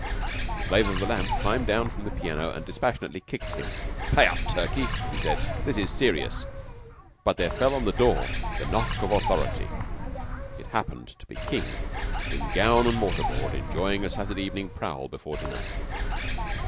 The Slave of the Lamp climbed down from the piano, and dispassionately kicked him. "Play up, Turkey," he said; "this is serious." But there fell on the door the knock of authority. It happened to be King, in gown and mortar board, enjoying a Saturday evening prowl before dinner.